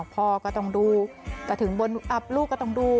พอก็ต้องดูกระถึงบนลูกก็ต้องดู